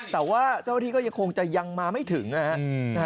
แต่ว่าเจ้าที่ก็ยังคงจะยังมาไม่ถึงนะฮะ